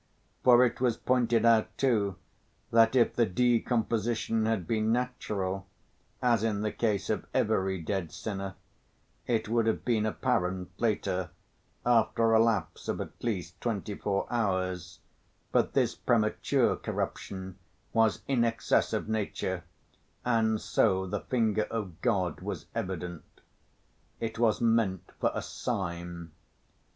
For it was pointed out, too, that if the decomposition had been natural, as in the case of every dead sinner, it would have been apparent later, after a lapse of at least twenty‐four hours, but this premature corruption "was in excess of nature," and so the finger of God was evident. It was meant for a sign.